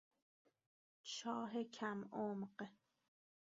چاه کم عمق